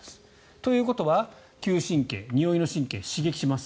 ということは嗅神経においの神経を刺激します。